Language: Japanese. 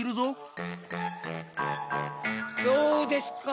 どうですか？